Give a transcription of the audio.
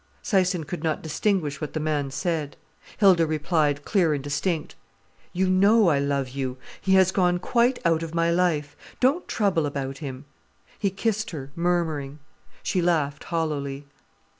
Syson could not distinguish what the man said. Hilda replied, clear and distinct: "You know I love you. He has gone quite out of my life—don't trouble about him...." He kissed her, murmuring. She laughed hollowly.